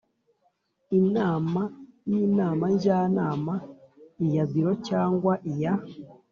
Inama y inama njyanama iya biro cyangwa iya